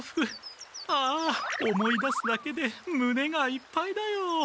ああ思い出すだけでむねがいっぱいだよ。